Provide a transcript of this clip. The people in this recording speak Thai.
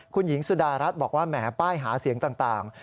คุณหญิงสุดารัฐบอกว่าแหมป้ายหาเสียงต่าง